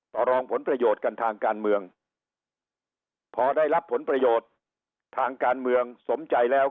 ต่อรองผลประโยชน์กันทางการเมืองพอได้รับผลประโยชน์ทางการเมืองสมใจแล้ว